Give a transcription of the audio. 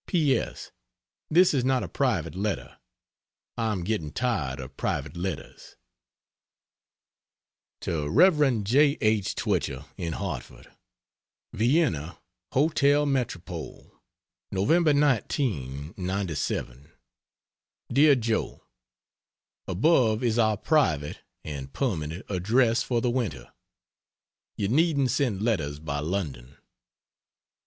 P. S. This is not a private letter. I am getting tired of private letters. To Rev. J. H. Twichell, in Hartford: VIENNA HOTEL METROPOLE, NOV. 19, '97. DEAR JOE, Above is our private (and permanent) address for the winter. You needn't send letters by London.